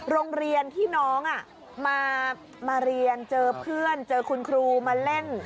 โรงเรียนที่น้องมาเรียนเจอเพื่อนเจอคุณครูมาเล่น